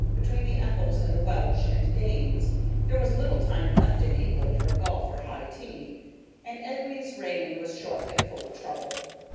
Between the Ethels and the Welsh and Danes, there was little time left in England for golf or high tea, and Edwy's reign was short and full of trouble.